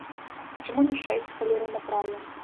А чаму не шэсць, калі раўнапраўе?